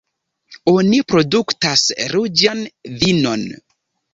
Oni produktas ruĝan vinon.